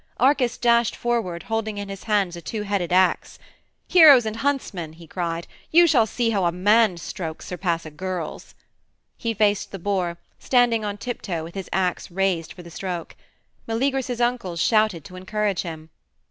Arcas dashed forward, holding in his hands a two headed axe. "Heroes and huntsmen," he cried, "you shall see how a man's strokes surpass a girl's." He faced the boar, standing on tiptoe with his axe raised for the stroke. Meleagrus's uncles shouted to encourage him.